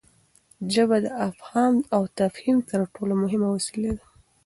ژبه د افهام او تفهیم تر ټولو مهمه وسیله ده.